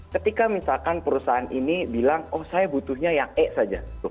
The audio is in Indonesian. ketika misalkan perusahaan ini bilang oh saya butuhnya yang e saja